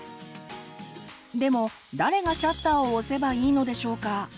でも誰がシャッターを押せばいいのでしょうか？